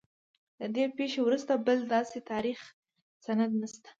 له دې پیښې وروسته بل داسې تاریخي سند نشته.